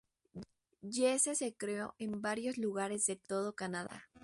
Jesse se crio en varios lugares de todo Canadá.